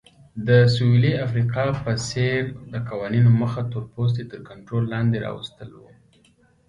د سویلي افریقا په څېر د قوانینو موخه تورپوستي تر کنټرول لاندې راوستل وو.